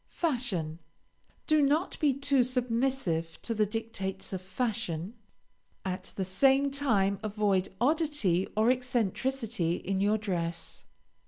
FASHION Do not be too submissive to the dictates of fashion; at the same time avoid oddity or eccentricity in your dress.